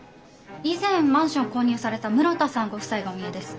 以前マンションを購入された室田さんご夫妻がお見えです。